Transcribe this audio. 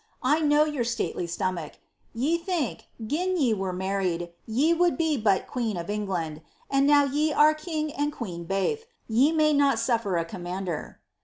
I know your stately stomach. Te think, gin ere married, ye would be but queen of England, and now ye are and queen baith, — ^ye may not suiier a commander.'